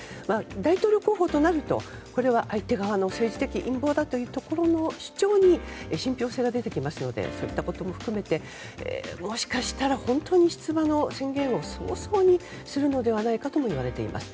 大統領候補となるとこれは、相手側の政治的な陰謀だというところの主張に信憑性が出てきますのでそういったことも含めてもしかしたら本当に出馬宣言を早々にするのではないかともいわれています。